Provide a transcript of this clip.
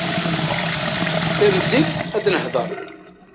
Tameddit, ad nehder.